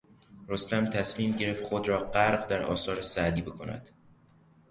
رستم تصمیم گرفت خود را غرق در آثار سعدی بکند.